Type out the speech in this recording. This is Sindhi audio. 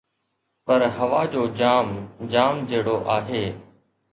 پر هوا جو جام جام جهڙو آهي